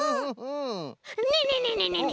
ねえねえねえねえねえ。